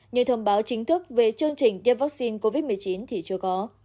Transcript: nhưng thông báo chính thức về chương trình tiêm vắc xin covid một mươi chín thì chưa có